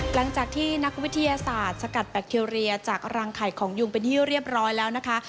หลังจากที่นักวิทยาศาสตร์สกัดแบคทีเรียจากรังไข่ของยุงเป็นที่เรียบร้อยแล้วนะคะ